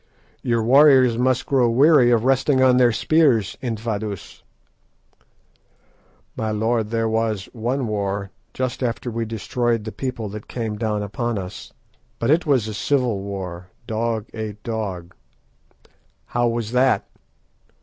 "Your warriors must grow weary of resting on their spears, Infadoos." "My lord, there was one war, just after we destroyed the people that came down upon us, but it was a civil war; dog ate dog." "How was that?"